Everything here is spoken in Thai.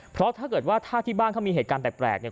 เพราะถ้าเกิดว่าถ้าที่บ้านเขามีเหตุการณ์แปลกเนี่ย